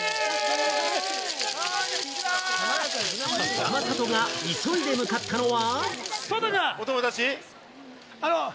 山里が急いで向かったのは。